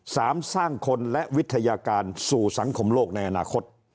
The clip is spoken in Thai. สร้างคนและวิทยาการสู่สังคมโลกในอนาคต